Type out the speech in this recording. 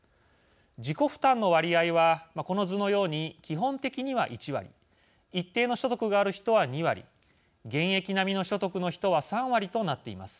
自己負担の割合はこの図のように基本的には１割一定の所得がある人は２割現役並みの所得の人は３割となっています。